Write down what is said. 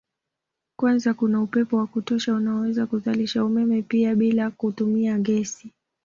kwanza kuna upepo wa kutosha unaoweza kuzalisha umeme pia bila kutumia gesi